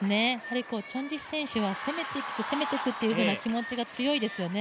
チョン・ジヒ選手は攻めていく、攻めていくという気持ちが強いですよね。